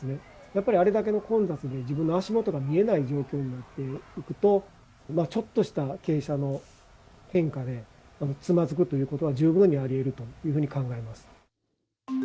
やっぱりあれだけの混雑で、自分の足元が見えない状況になっていくと、ちょっとした傾斜の変化で、つまずくということは、十分にありえるというふうに考えます。